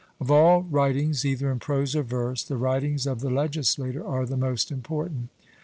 Of all writings either in prose or verse the writings of the legislator are the most important.